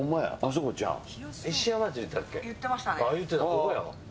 ここやわ。